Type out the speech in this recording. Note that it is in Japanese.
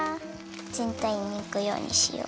ぜんたいにいくようにしよう。